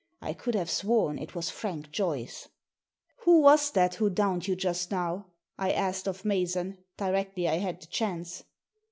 I could have sworn it was Frank Joyce ! "Who was that who downed you just now?" I asked of Mason, directly I had the chance.